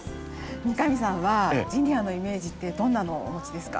三上さんはジニアのイメージってどんなのをお持ちですか？